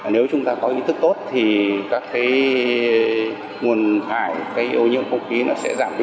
nếu chúng ta có ý thức tốt thì các cái nguồn thải cái ô nhiễm không khí nó sẽ giảm đi